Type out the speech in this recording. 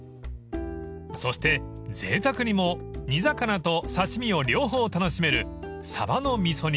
［そしてぜいたくにも煮魚と刺し身を両方楽しめるサバの味噌煮とちょい刺し］